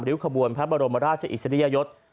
ขบวนพระบรมราชอิสริยยศ